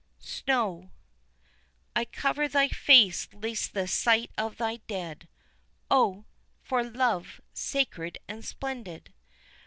Snow. I cover thy face lest the sight of thy dead, (Oh! for love, sacred and splendid.)